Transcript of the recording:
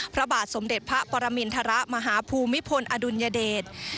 พระบาทสมเด็จพระปรมินทรมาฮภูมิพลอดุลยเดช